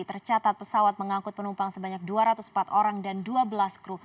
tercatat pesawat mengangkut penumpang sebanyak dua ratus empat orang dan dua belas kru